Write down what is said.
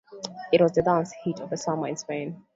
It was the dance hit of that summer in Spain.